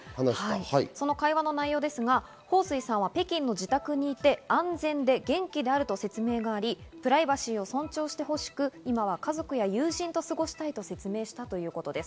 会話の内容ですが、ホウ・スイさんが北京の自宅にいて安全で元気であると説明があり、プライバシーを尊重してほしく、今は家族や友人と過ごしたいと説明したということです。